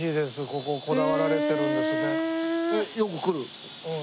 こここだわられてるんです。